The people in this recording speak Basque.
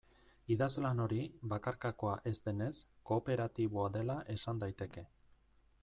Idazlan hori, bakarkakoa ez denez, kooperatiboa dela esan daiteke.